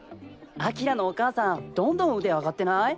輝のお母さんどんどん腕上がってない？